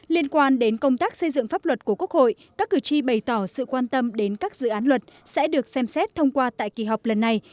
liên quan đến công tác xây dựng pháp luật của quốc hội các cử tri bày tỏ sự quan tâm đến các dự án luật sẽ được xem xét thông qua tại kỳ họp lần này